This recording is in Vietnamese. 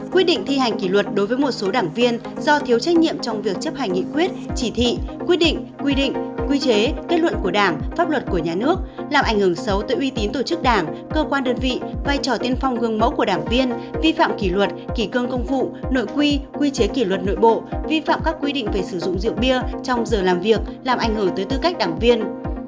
quy định thi hành kỷ luật đối với một số đảng viên do thiếu trách nhiệm trong việc chấp hành nghị quyết chỉ thị quy định quy định quy chế kết luận của đảng pháp luật của nhà nước làm ảnh hưởng xấu tới uy tín tổ chức đảng cơ quan đơn vị vai trò tiên phong gương mẫu của đảng viên vi phạm kỷ luật kỷ cương công vụ nội quy quy chế kỷ luật nội bộ vi phạm các quy định về sử dụng rượu bia trong giờ làm việc làm ảnh hưởng tới tư cách đảng viên